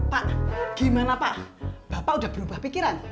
pak gimana pak bapak udah berubah pikiran